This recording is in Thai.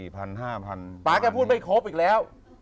ป๊าแกพูดไม่ครบอีกแล้ว